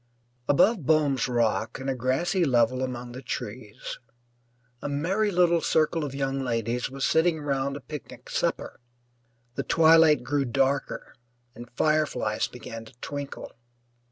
Above Boehm's Rock, in a grassy level among the trees, a merry little circle of young ladies was sitting round a picnic supper. The twilight grew darker and fireflies began to twinkle.